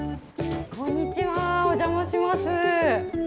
こんにちは、お邪魔します。